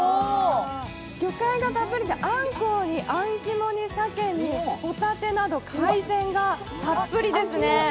魚介がたっぷりで、あんこうにあん肝に鮭に帆立など海鮮がたっぷりですね。